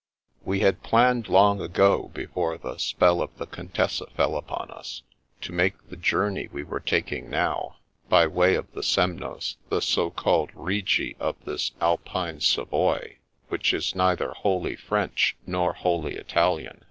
We had planned long ago, before the spell of the Contessa fell upon us, to make the journey we were taking now, by way of the Semnoz, the so called Rigi of this Alpine Savoy, which is neither wholly French nor wholly Italian.